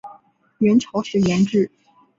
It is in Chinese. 元朝时沿置。